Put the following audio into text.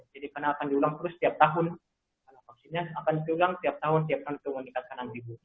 jadi karena akan diulang terus tiap tahun karena vaksinnya akan diulang tiap tahun tiap tahun itu meningkatkan enam